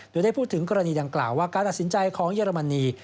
โดยได้พูดถึงกรณีดังกล่าวว่าการตัดสินใจของเยอรมนี